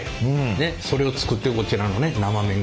ねっそれを作ってるこちらのね生麺工場。